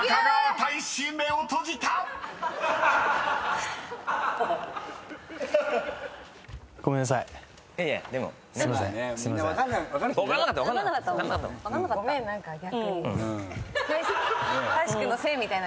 大志君のせいみたいな。